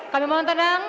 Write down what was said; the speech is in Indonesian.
kami mohon tenang